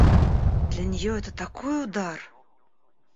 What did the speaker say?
Для нее это такой удар!